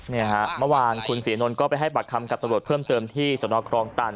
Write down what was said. เนี่ยฮะเมื่อวานคุณศรีนนท์ก็ไปให้ปากคำกับตำรวจเพิ่มเติมที่สนครองตัน